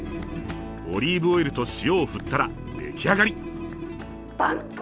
オリーブオイルと塩を振ったら出来上がり！